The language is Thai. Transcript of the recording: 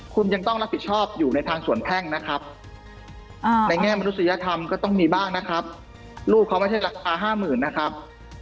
คุณยังต้องรับผิดชอบอยู่ในทางส่วนแพ่งนะครับในแง่มนุษยธรรมก็ต้องมีบ้างนะครับลูกเขาไม่ใช่ราคา๕๐๐๐นะครับ